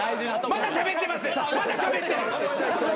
まだしゃべってる。